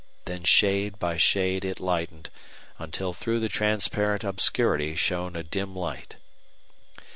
Then shade by shade it lightened, until through the transparent obscurity shone a dim light.